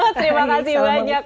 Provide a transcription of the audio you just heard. terima kasih banyak